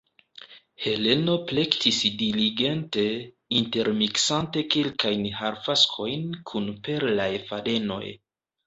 Heleno plektis diligente, intermiksante kelkajn harfaskojn kun perlaj fadenoj.